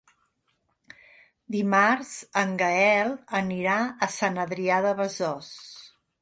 Dimarts en Gaël anirà a Sant Adrià de Besòs.